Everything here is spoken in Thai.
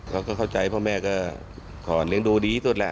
เขาก็เข้าใจพ่อแม่ก็ขอเลี้ยงดูดีที่สุดแหละ